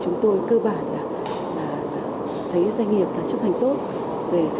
chúng tôi tới chợ tiền